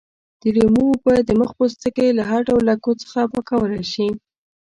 د لیمو اوبه د مخ پوستکی له هر ډول لکو څخه پاکولای شي.